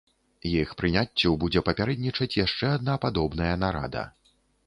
Іх прыняццю будзе папярэднічаць яшчэ адна падобная нарада.